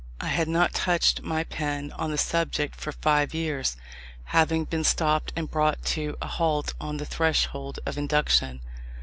I had not touched my pen on the subject for five years, having been stopped and brought to a halt on the threshold of Induction.